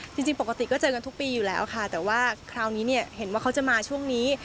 จริงปกติก็เจอกันทุกปีอยู่แล้วค่ะแต่ว่าคราวนี้เนี่ยเห็นว่าเขาจะมาช่วงนี้